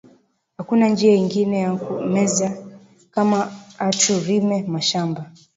Akuna njia ingine yaku weza kama atu rime mashamba